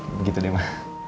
begitu deh ma